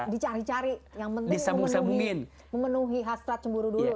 dicari cari yang penting memenuhi hasrat cemburu dulu